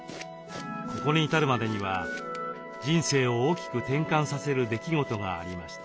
ここに至るまでには人生を大きく転換させる出来事がありました。